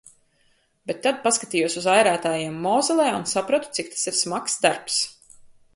Bet tad paskatījos uz airētājiem Mozelē un sapratu, cik tas ir smags darbs.